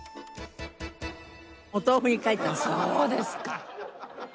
そうですか！